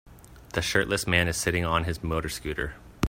The shirtless man is sitting on his motor scooter.